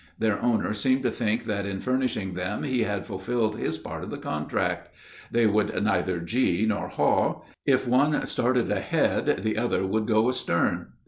Their owner seemed to think that in furnishing them he had fulfilled his part of the contract. They would neither "gee" nor "haw"; if one started ahead, the other would go astern.